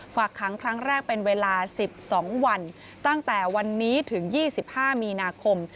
ฝากค้างครั้งแรกเป็นเวลา๑๒วันตั้งแต่วันนี้ถึง๒๕มีนาคม